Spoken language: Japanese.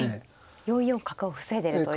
４四角を防いでるということ。